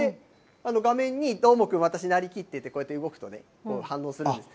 こうやって画面に、どーもくん、私になりきって、こうやって動くとね、反応するんです。